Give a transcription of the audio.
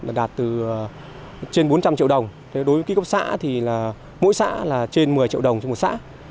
là đạt từ trên bốn trăm linh triệu đồng đối với ký cấp xã thì là mỗi xã là trên một mươi triệu đồng trên một xã